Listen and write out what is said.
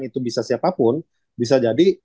itu bisa siapapun bisa jadi